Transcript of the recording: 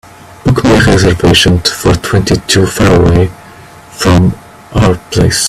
Book me a reservation for twenty two faraway from our place